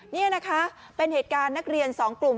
นี่นะคะเป็นเหตุการณ์นักเรียน๒กลุ่ม